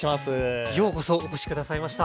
ようこそお越し下さいました。